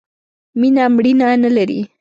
مینه ، مړینه نه لري.